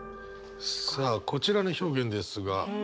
さあこちらの表現ですが。